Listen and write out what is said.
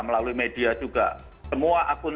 melalui media juga semua akun